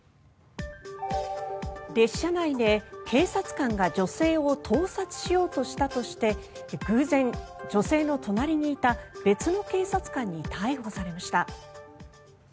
列車内で警察官が女性を盗撮しようとしたとして偶然、女性の隣にいた別の警察官に逮捕されました。